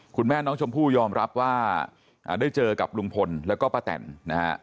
คุณแม่น้องชมพู่ยอมรับว่าได้เจอกับลุงพลแล้วก็ป้าแตนนะฮะ